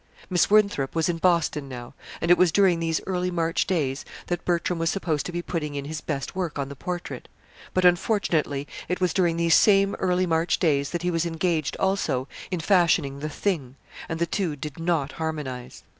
Miss Winthrop was in Boston now, and it was during these early March days that Bertram was supposed to be putting in his best work on the portrait; but, unfortunately, it was during these same early March days that he was engaged, also, in fashioning The Thing and the two did not harmonize.